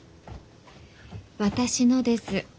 私のです。